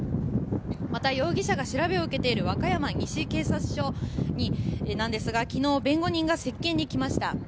また、容疑者が調べを受けている和歌山西警察署なんですが昨日、弁護人が接見に来ました。